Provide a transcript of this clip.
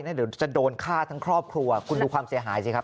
เดี๋ยวจะโดนฆ่าทั้งครอบครัวคุณดูความเสียหายสิครับ